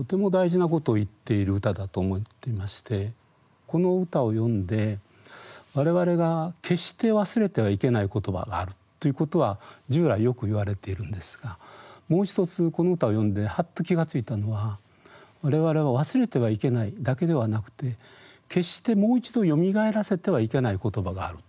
私はこの歌ねこの歌を読んで我々が決して忘れてはいけない言葉があるということは従来よく言われているんですがもう一つこの歌を読んでハッと気が付いたのは我々は忘れてはいけないだけではなくて決してもう一度よみがえらせてはいけない言葉がある。